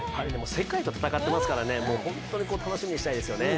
世界と戦ってますからね、本当に楽しみにしたいですよね。